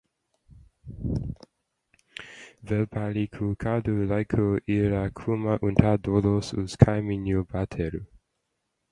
Vēl palieku kādu laiku ierakumā un tad dodos uz kaimiņu bateriju.